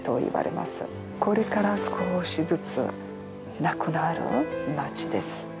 これから少しずつなくなる町です。